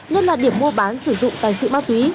nhất là điểm mua bán sử dụng tài sự ma túy